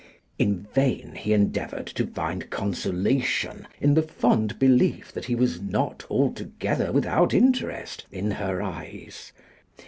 In vain he endeavoured to find consolation in the fond belief that he was not altogether without interest in her eyes.